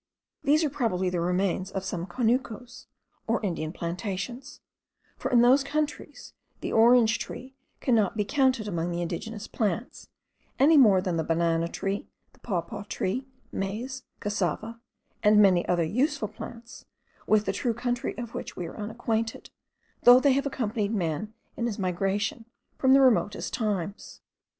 These are probably the remains of some conucos, or Indian plantations; for in those countries the orange tree cannot be counted among the indigenous plants, any more than the banana tree, the papaw tree, maize, cassava, and many other useful plants, with the true country of which we are unacquainted, though they have accompanied man in his migrations from the remotest times.